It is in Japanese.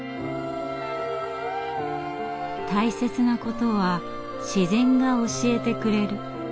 大切なことは自然が教えてくれる。